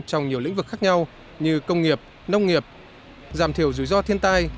trong nhiều lĩnh vực khác nhau như công nghiệp nông nghiệp giảm thiểu rủi ro thiên tai